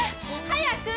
早く！